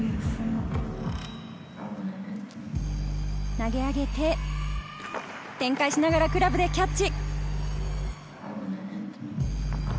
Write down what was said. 投げ上げて転回しながらクラブでキャッチ。